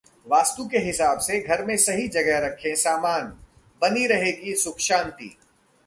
वास्तु के हिसाब से घर में सही जगह रखें सामान, बनी रहेगी सुख-शांति